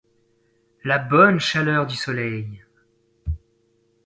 la bonne chaleur du soleil !